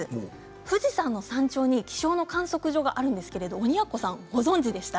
富士山の山頂に気象の観測所があるんですけれど鬼奴さん、ご存じでした？